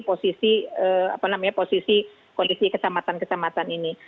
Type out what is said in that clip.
posisi apa namanya posisi kondisi kecamatan kecamatan ini